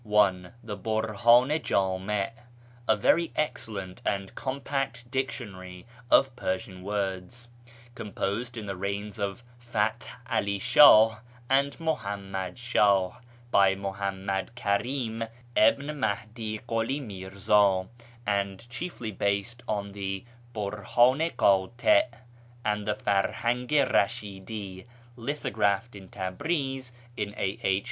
1. The Burhdn i Jdmi , a very excellent and compact dictionary of Persian words, composed in the reigns of Fath 'Ali Shah and Muhammad Shah, by Muhammad Karim ibn Mahdi Kuli Mirza, and chiefly based on the Burhdn i Kdti' ■ and the Farhang i RasliicU, lithographed in Tabriz in a.h.